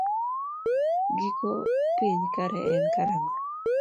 Giko piny kare en karang'o?